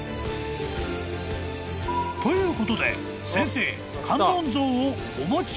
［ということで先生］